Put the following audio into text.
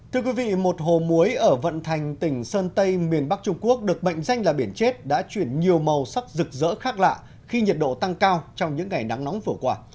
thưa quý vị một hồ muối ở vận thành tỉnh sơn tây miền bắc trung quốc được mệnh danh là biển chết đã chuyển nhiều màu sắc rực rỡ khác lạ khi nhiệt độ tăng cao trong những ngày nắng nóng vừa qua